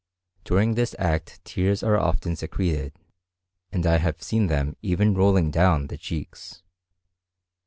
During this act tears are often secreted, and I have seen them even rolling down the cheeks.